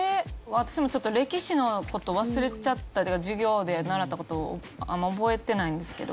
私もちょっと歴史の事忘れちゃったっていうか授業で習った事をあんまり覚えてないんですけど。